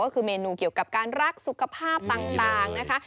ก็คือเมนูเกี่ยวกับการรักสุขภาพต่างนะคะ